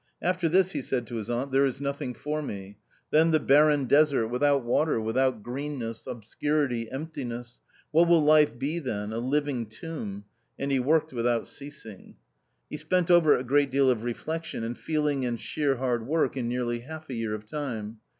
" After this," he said to his aunt, " there is nothing for me ; then the barren desert, without water, without greenness, ^obscurity, emptiness — what will life be then ? a living tomb !" And he worked without ceasing. He spent over it a great deal of reflection, and feeling and sheer hard work and nearly half a year of time.